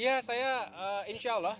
ya saya insya allah